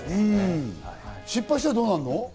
失敗したらどうなるの？